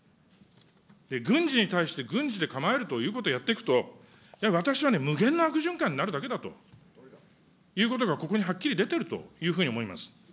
軍事に対して軍事で構えるということをやっていくと、私はね、無限の悪循環になるだけだということが、ここにはっきり出てるというふうに思います。